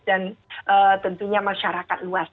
dan tentunya masyarakat luas